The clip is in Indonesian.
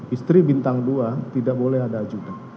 istri bintang dua tidak boleh ada ajudan